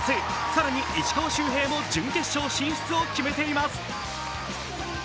更に、石川周平も準決勝進出を決めています。